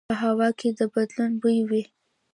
په هوا کې د بدلون بوی وي